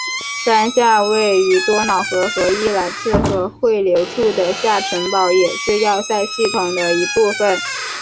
山下位于多瑙河和伊尔茨河汇流处的下城堡也是要塞系统的一部分。